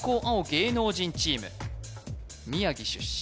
芸能人チーム宮城出身